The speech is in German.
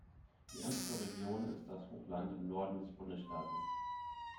Die ärmste Region ist das Hochland im Norden des Bundesstaates.